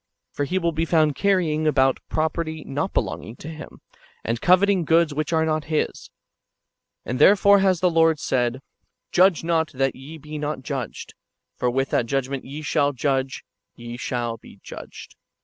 For he will be found carrying about property not belonging to him, and coveting goods which are not his. And therefore has the Lord said :'^ Judge not, that ye be not judged : for with what judg ment ye shall judge, ye shall be judged."